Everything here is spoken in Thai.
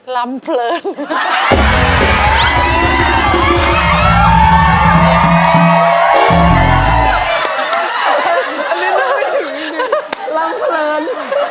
ลำเพลิน